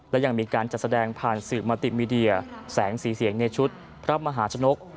และยังมีการจัดแสดงผ่านสื่อมาติมีเดียแสงสีเสียงในชุดพระมหาชนก